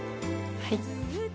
はい。